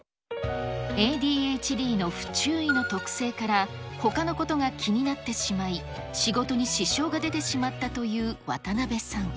ＡＤＨＤの不注意の特性から、ほかのことが気になってしまい、仕事に支障が出てしまったという渡辺さん。